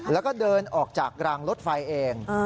แล้วก็เดินออกจากรางรถไฟเอง